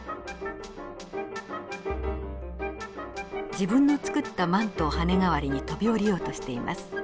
自分の作ったマントを羽代わりに飛び降りようとしています。